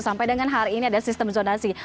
sampai dengan hari ini ada sistem zonasi